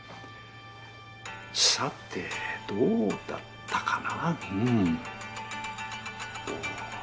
さてどうだったかな。